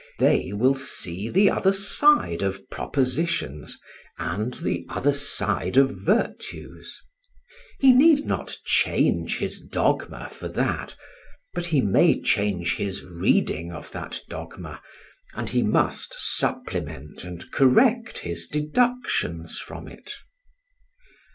They will see the other side of propositions and the other side of virtues. He need not change his dogma for that, but he may change his reading of that dogma, and he must supplement and correct his deductions from it.